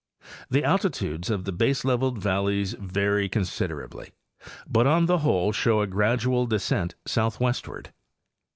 The altitudes of the baseleveled valleys vary considerably, but on the whole show a gradual descent southwestward.